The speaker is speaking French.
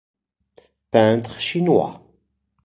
Peintre chinois.